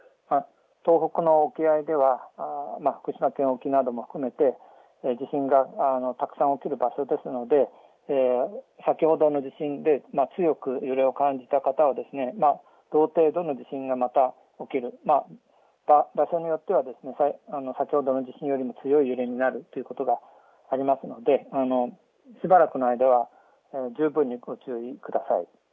東北の沖合では福島県沖なども含めて地震がたくさん起きる場所ですので先ほどの地震で強く揺れを感じた方は同程度の地震がまた起きる、また場所によっては先ほどの地震よりも強い揺れになるということがありますのでしばらくの間は十分にご注意ください。